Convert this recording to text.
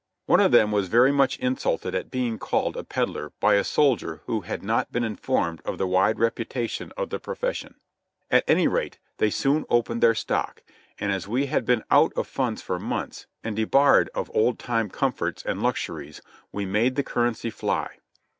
One of them v/as very much insulted at being called a peddler by a soldier who had not been informed of the wide reputation of the profession; at any rate they soon opened their stock, and as we had been out of funds for months, and debarred of old time comforts and lux uries, we made the currency fly.